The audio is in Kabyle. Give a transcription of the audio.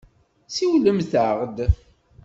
Siwlemt-aɣ-d.